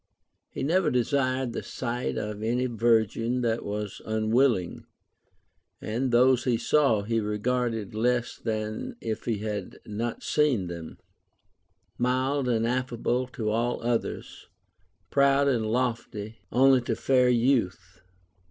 He never desired the sight of any virgin that was unwilling ; and those he saw, he regarded less than if he had not seen them ; mild and affable to all others, proud and lofty only to fair youth.